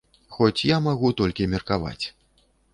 Хоць я магу толькі меркаваць.